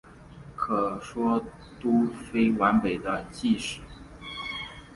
可说都非完备的晋史。